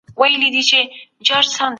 ښوونکی زدهکوونکي ته د ژوند مهارتونه ښيي.